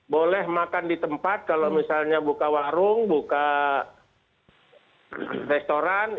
boleh makan di tempat kalau misalnya buka warung buka restoran